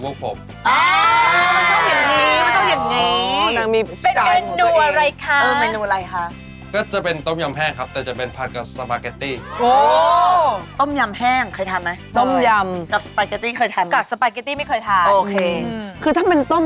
กันหนูเป็นนักศึกษาที่ไหนต้องการค่าเล่าเรียนอะไรรึเปล่า